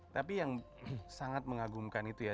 tapi yang sangat mengagumkan itu ya